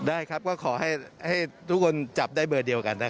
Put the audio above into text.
ได้ครับก็ขอให้ทุกคนจับได้เบอร์เดียวกันนะครับ